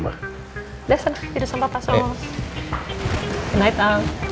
udah sana tidur sama papa so